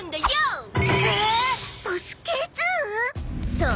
そう。